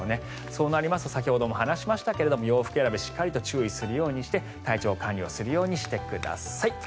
そうなりますと先ほども話しましたが洋服選びをしっかりと注意するようにして体調管理をするようにしてください。